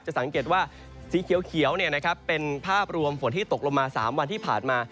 สังเกตว่าสีเขียวเป็นภาพรวมฝนที่ตกลงมา๓วันที่ผ่านมา